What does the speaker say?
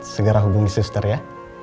segera hubungi sister ya